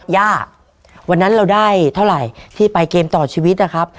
ย่าวันนั้นเราได้เท่าไหร่ที่ไปเกมต่อชีวิตนะครับ